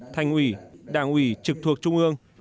thành ủy đảng ủy trực thuộc trung ương